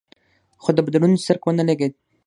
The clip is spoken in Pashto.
خو د بدلون څرک ونه لګېد.